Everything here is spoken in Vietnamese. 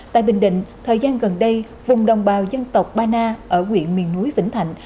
tại bình định thời gian gần đây vùng đồng bào dân tộc ba na ở quyện miền núi vĩnh thạnh